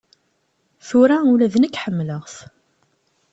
Tura ula d nekk ḥemmleɣ-t.